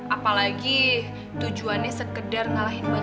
apalagi tujuannya sekedar ngalahin baju